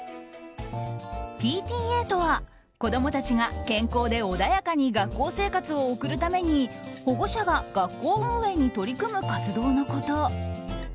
ＰＴＡとは子供たちが健康で穏やかに学校生活を送るために保護者が学校運営に取り組む活動のこと。